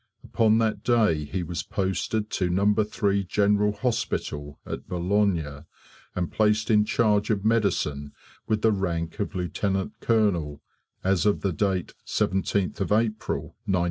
Upon that day he was posted to No. 3 General Hospital at Boulogne, and placed in charge of medicine with the rank of Lieutenant Colonel as of date 17th April, 1915.